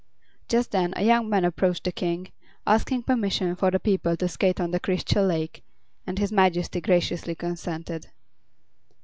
Just then a young man approached the King, asking permission for the people to skate on the Crystal Lake, and his Majesty graciously consented.